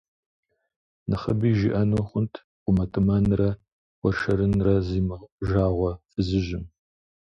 Нэхъыби жиӀэну хъунт гъумэтӀымэнрэ уэршэрынрэ зимыжагъуэ фызыжьым.